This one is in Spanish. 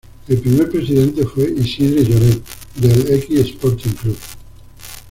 El primer presidente fue Isidre Lloret, del X Sporting Club.